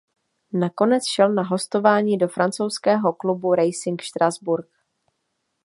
Nakonec šel na hostování do francouzského klubu Racing Štrasburk.